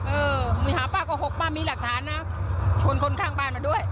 เออมึงไปหาป้าโกหกป้ามีหลักฐานนะชวนคนข้างบ้านมาด้วย